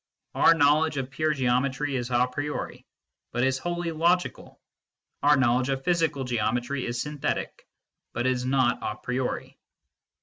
Our knowledge of pure geometry is a priori but is wholly logical. Our knowledge of physical geometry is synthetic, but is not a priori.